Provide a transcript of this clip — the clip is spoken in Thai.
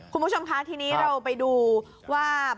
คุณผู้ชมคะทีนี้เราไปดูว่า